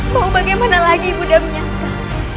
mau bagaimana lagi ibunda menyatakan